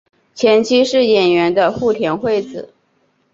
前妻是演员的户田惠子。